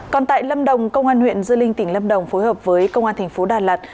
còn tại lâm đồng công an huyện dư linh tỉnh lâm đồng phối hợp với công an thành phố đà lạt